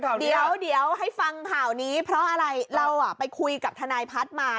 เดี๋ยวให้ฟังข่าวนี้เพราะอะไรเราไปคุยกับทนายพัฒน์มา